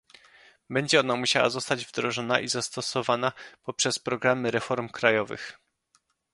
Będzie ona musiała zostać wdrożona i zastosowana poprzez programy reform krajowych